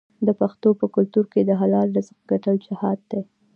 د پښتنو په کلتور کې د حلال رزق ګټل جهاد دی.